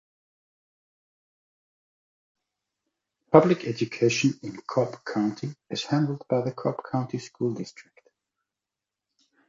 Public education in Cobb County is handled by the Cobb County School District.